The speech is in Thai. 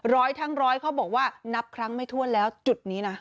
ร้อยทั้งร้อยเขาบอกว่านับครั้งไม่ถ้วนแล้วจุดนี้นะ